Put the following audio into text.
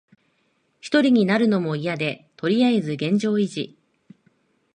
ひとりになるのもいやで、とりあえず現状維持。